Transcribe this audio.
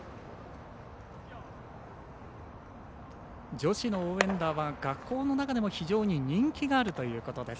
女子の応援団は学校の中でも非常に人気があるということです。